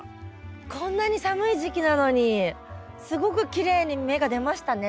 こんなに寒い時期なのにすごくきれいに芽が出ましたね。